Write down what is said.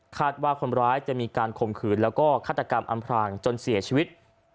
ว่าคนร้ายจะมีการข่มขืนแล้วก็ฆาตกรรมอำพรางจนเสียชีวิต